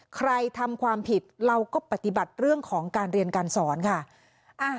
ใครทำความผิดเราก็ปฏิบัติเรื่องของการเรียนการสอนค่ะ